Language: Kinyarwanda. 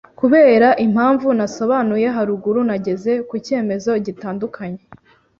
Kubera impamvu nasobanuye haruguru, nageze ku cyemezo gitandukanye.